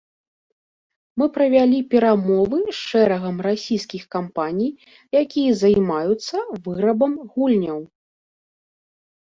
Мы правялі перамовы з шэрагам расійскіх кампаній, якія займаюцца вырабам гульняў.